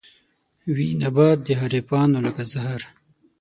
وي نبات د حريفانو لکه زهر